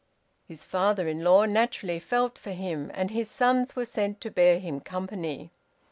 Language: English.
His father in law naturally felt for him, and his sons were sent to bear him company.